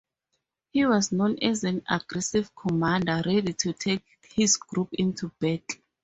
He was known as an aggressive commander, ready to take his group into battle.